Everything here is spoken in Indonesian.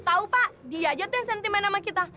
tau tau pak dia aja yang sentimen sama kita